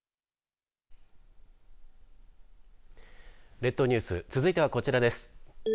列島ニュース続いてはこちらです。